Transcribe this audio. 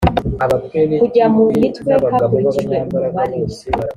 kujya mu mitwe hakurikijwe umubare .